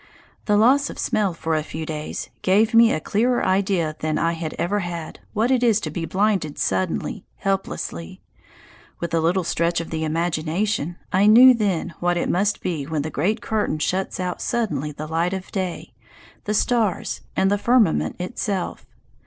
The loss of smell for a few days gave me a clearer idea than I had ever had what it is to be blinded suddenly, helplessly. With a little stretch of the imagination I knew then what it must be when the great curtain shuts out suddenly the light of day, the stars, and the firmament itself.